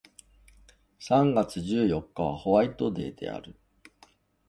三月十四日はホワイトデーである